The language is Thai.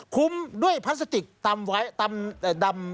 คุ้มด้วยพลัสสติกตำไว้ตำแต่ดำ